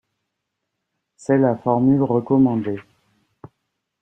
C'est la formule recommandée.